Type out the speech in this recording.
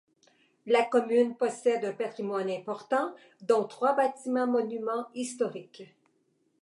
La commune possède un patrimoine important, dont trois bâtiments monuments historiques.